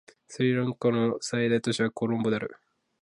スリランカの最大都市はコロンボである